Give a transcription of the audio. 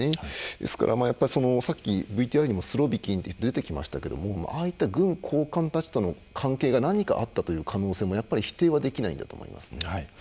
ですから、さっきＶＴＲにもスロビキンと出てきましたけどもああいった軍高官たちの関係が何かあったという可能性も否定はできないんだと思います。